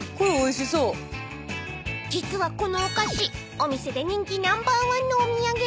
［実はこのお菓子お店で人気ナンバーワンのお土産］